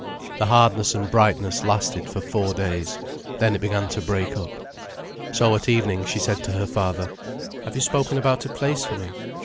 The hardness and brightness lasted for four days. Then it began to break up. So at evening she said to her father: "Have you spoken about a place for me?"